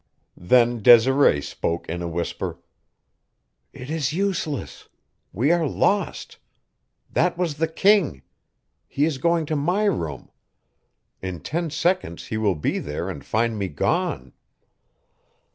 Then Desiree spoke in a whisper: "It is useless; we are lost. That was the king. He is going to my room. In ten seconds he will be there and find me gone."